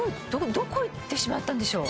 どこへいってしまったんでしょう